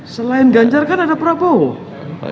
selain ganjar kan ada prabowo